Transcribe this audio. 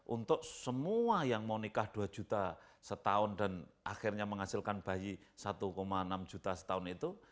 untuk semua yang mau nikah dua juta setahun dan akhirnya menghasilkan bayi satu enam juta setahun itu